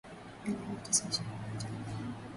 milioni tisa ishirini na tano